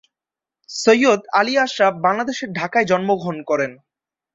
সৈয়দ আলী আশরাফ বাংলাদেশের ঢাকায় জন্মগ্রহণ করেন।